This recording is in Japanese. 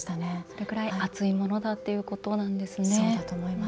それぐらい厚いものだってことなんですね。